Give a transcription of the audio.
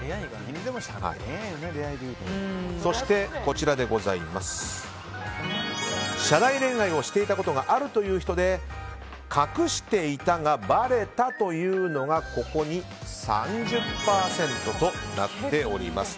そして社内恋愛をしていたことがあるという人で隠していたが、ばれたというのがここに３０％となっております。